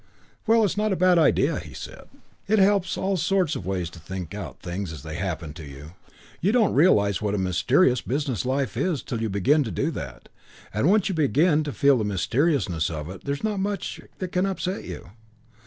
"Well, it's not a bad idea," he said. "It helps in all sorts of ways to think things out as they happen to you. You don't realise what a mysterious business life is till you begin to do that; and once you begin to feel the mysteriousness of it there's not much can upset you.